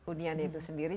unianya itu sendiri